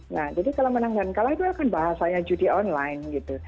nah jadi kalau menang dan kalah itu akan bahasanya judi online gitu